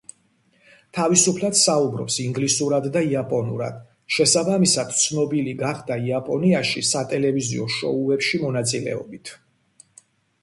თავისუფლად საუბრობს ინგლისურად და იაპონურად, შესაბამისად, ცნობილი გახდა იაპონიაში სატელევიზიო შოუებში მონაწილეობით.